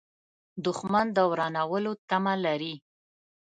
دښمن د ورانولو تمه لري